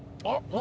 何？